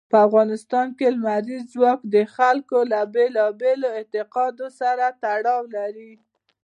په افغانستان کې لمریز ځواک د خلکو له بېلابېلو اعتقاداتو سره تړاو لري.